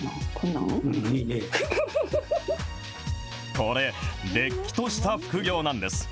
これ、れっきとした副業なんです。